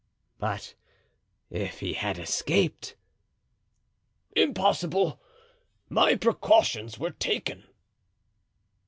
"But if he had escaped?" "Impossible; my precautions were taken."